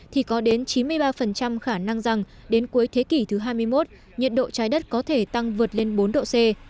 thì có đến chín mươi ba khả năng rằng đến cuối thế kỷ thứ hai mươi một nhiệt độ trái đất có thể tăng vượt lên bốn độ c